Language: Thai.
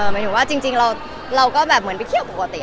หมายถึงว่าจริงเราก็แบบเหมือนไปเที่ยวปกติ